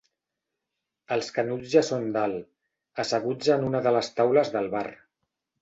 Els Canuts ja són dalt, asseguts en una de les taules del bar.